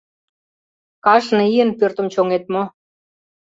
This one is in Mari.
Кажне ийын пӧртым чоҥет мо?